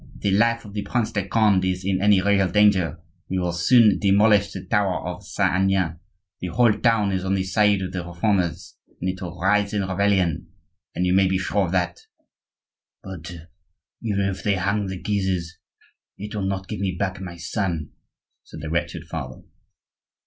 If the life of the Prince de Conde is in any real danger we will soon demolish the tower of Saint Aignan; the whole town is on the side of the Reformers, and it will rise in rebellion; you may be sure of that!" "But, even if they hang the Guises, it will not give me back my son," said the wretched father.